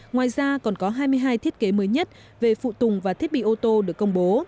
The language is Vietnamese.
ngoài ra còn có hai mươi hai thiết kế mới nhất về phụ tùng và thiết bị ô tô được công bố